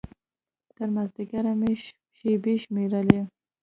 تر مازديګره مې شېبې شمېرلې.